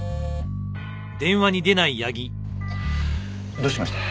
「」「」どうしました？